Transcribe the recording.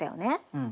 うん。